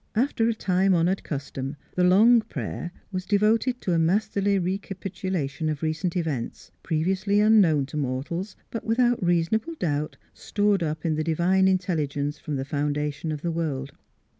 After a time honored custom " the long prayer " was devoted to a masterly recapitulation of recent events, previously unknown to mortals, but without rea sonable doubt stored up in the divine intelligence from the foundation of the world.